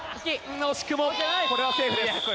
惜しくもこれはセーフです。